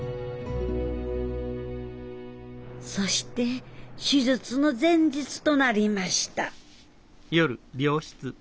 そして手術の前日となりました